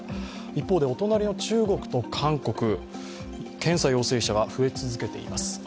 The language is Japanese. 一方でお隣の中国と韓国、検査陽性者が増え続けています。